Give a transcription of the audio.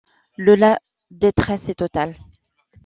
Le La détresse est totale.